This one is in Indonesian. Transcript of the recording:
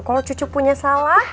kalau cucu punya salah